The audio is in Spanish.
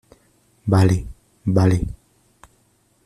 vale. vale .